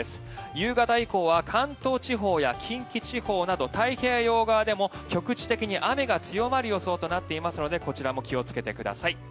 夕方以降は関東地方や近畿地方など太平洋側でも局地的に雨が強まる予想となっていますのでこちらも気をつけてください。